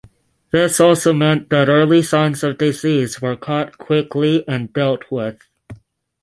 This also meant that early signs of disease were caught quickly and dealt with.